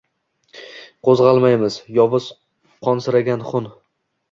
Qo’zg’almaymiz, yovuz, qonsiragan xun